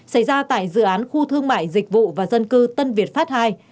xảy ra tại dự án khu thương mại dịch vụ và dân cư tân việt phát hai